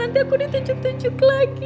nanti aku ditunjuk tunjuk lagi